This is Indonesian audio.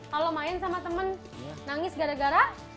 kalau main sama temen nangis gara gara